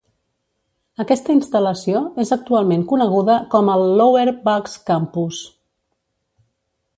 Aquesta instal·lació és actualment coneguda com el Lower Bucks Campus.